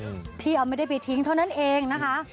ที่เอาไม่ได้ไปทิ้งเท่านั้นเองนะคะ